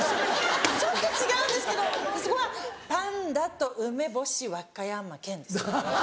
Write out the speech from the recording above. ちょっと違うんですけどそこは「パンダと梅干和歌山県」です。